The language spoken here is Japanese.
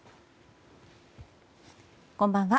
こんばんは。